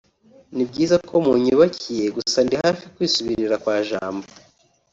ni byiza ko mu nyubakiye gusa ndi hafi yo kwisubirira kwa Jambo